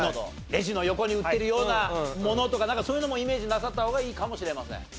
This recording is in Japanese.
レジの横に売ってるようなものとかなんかそういうのもイメージなさった方がいいかもしれません。